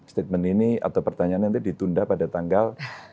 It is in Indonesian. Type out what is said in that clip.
statement ini atau pertanyaannya nanti ditunda pada tanggal